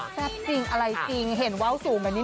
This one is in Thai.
แทบจริงอะไรจริงเห็นเว้าสูง